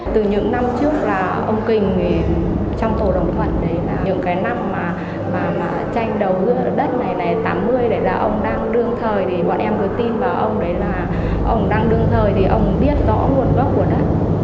từ những năm trước là ông kình trong tổ đồng thuận đấy là những cái năm mà tranh đầu đất này này tám mươi này là ông đang đương thời thì bọn em vừa tin vào ông đấy là ông đang đương thời thì ông biết rõ nguồn gốc của đất